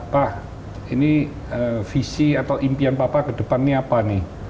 pak ini visi atau impian papa ke depannya apa nih